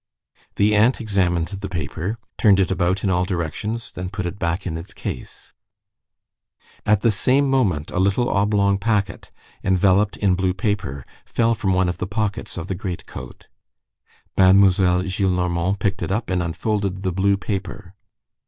The aunt examined the paper, turned it about in all directions, then put it back in its case. At the same moment a little oblong packet, enveloped in blue paper, fell from one of the pockets of the great coat. Mademoiselle Gillenormand picked it up and unfolded the blue paper.